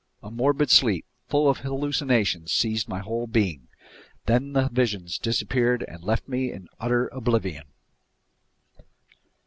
A morbid sleep, full of hallucinations, seized my whole being. Then the visions disappeared and left me in utter oblivion.